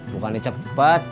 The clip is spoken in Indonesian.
bukan ini cepet